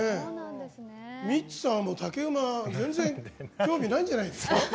ミッツさんは竹馬全然興味ないんじゃないですか？